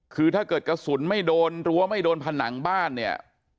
คือถ้าเกิดกระสุนไม่โดนรั้วไม่โดนผนังบ้านเนี่ย